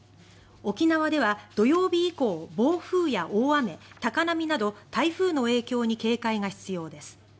沖縄では土曜日以降暴風や大雨、高波など台風の影響に警戒が必要です。